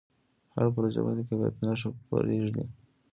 هر پروژه باید د کیفیت نښه پرېږدي.